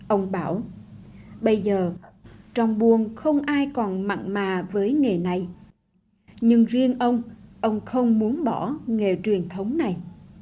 ông bảo bây giờ trong buôn không ai còn mặn mà với nghề này nhưng riêng ông ông không muốn bỏ nghề truyền thống này